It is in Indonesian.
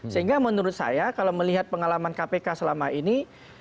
sehingga menurut saya kalau melihat pengalaman kpk selama ini